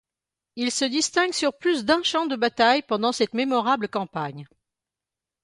Il se distingue sur plus d'un champ de bataille pendant cette mémorable campagne.